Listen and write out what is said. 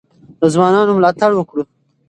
د ځوانانو ملاتړ وکړو.